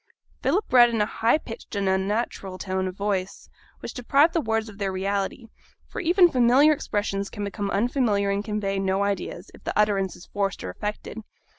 Philip read in a high pitched and unnatural tone of voice, which deprived the words of their reality; for even familiar expressions can become unfamiliar and convey no ideas, if the utterance is forced or affected.